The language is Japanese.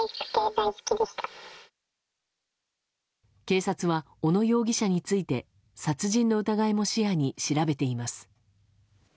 警察は小野容疑者について殺人の疑いも視野に調べています。